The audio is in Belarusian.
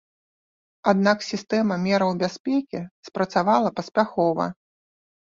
Аднак сістэма мераў бяспекі спрацавала паспяхова.